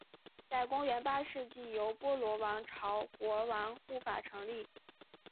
在公元八世纪由波罗王朝国王护法成立。